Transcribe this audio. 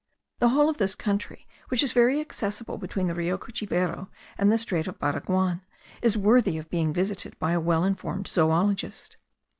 The whole of this country, which is very accessible between the Rio Cuchivero and the strait of Baraguan, is worthy of being visited by a well informed zoologist.